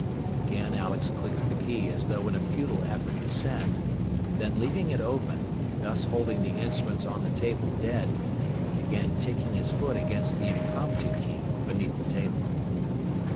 Again Alex clicked the key as though in a futile effort to send, then leaving it open, thus holding the instruments on the table "dead," began ticking his foot against the impromptu key beneath the table.